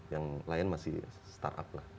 yang lain masih startup lah